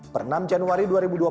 per enam januari dua ribu dua puluh